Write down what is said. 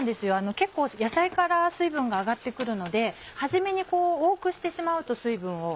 結構野菜から水分が上がって来るので初めに多くしてしまうと水分を。